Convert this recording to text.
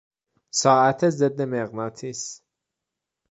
ساعت ضد مغناطیس